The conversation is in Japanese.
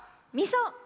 「みそ」！